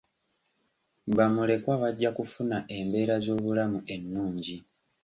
Bamulekwa bajja kufuna embeera z'obulamu ennungi.